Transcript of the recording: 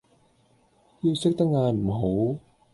要識得嗌唔好